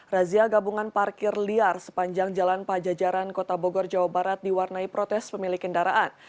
razia gabungan parkir liar sepanjang jalan pajajaran kota bogor jawa barat diwarnai protes pemilik kendaraan